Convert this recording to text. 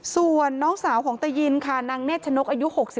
ส่วนน้องสาวของตายินค่ะนางเนธชนกอายุ๖๒